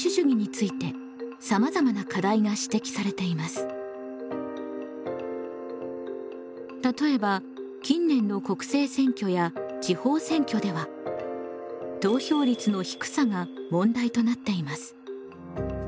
しかし例えば近年の国政選挙や地方選挙では投票率の低さが問題となっています。